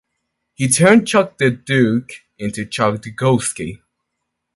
He turned "Chuck the Duke" into "Chuck Dukowski".